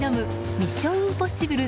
「ミッション：インポッシブル」